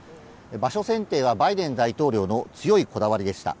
場所選定は、バイデン大統領の強いこだわりでした。